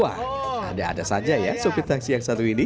wah ada ada saja ya sopir taksi yang satu ini